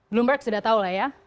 bloomberg sudah tahu lah ya